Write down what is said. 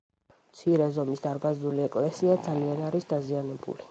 მცირე ზომის დარბაზული ეკლესია ძალიან არის დაზიანებული.